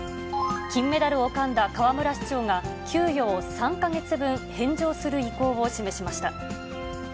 金メダルをかんだ河村市長が、給与を３か月分、返上する意向を示しました。